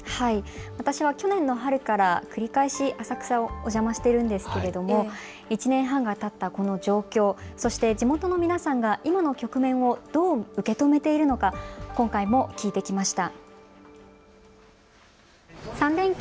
私は去年の春から繰り返し浅草にお邪魔しているんですけども１年半がたった今の状況、そして地元の皆さんが今の局面をどう受け止めているのか今回も聞いてきました。